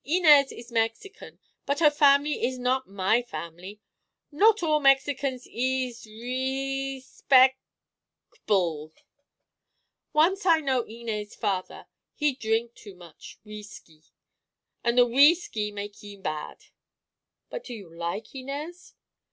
"Inez is Mexican, but her family ees not my family. Not all Mexicans ees—re—spec'—ble. Once I know Inez' father. He drink too much wheesky, an' the wheesky make heem bad." "But you like Inez?"